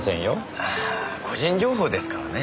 ああ個人情報ですからね。